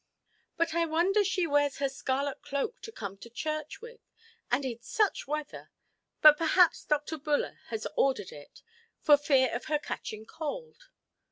But I wonder she wears her scarlet cloak to come to church with, and in such weather! But perhaps Dr. Buller ordered it, for fear of her catching cold".